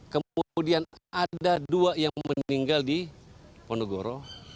kemudian ada dua yang meninggal di ponegoro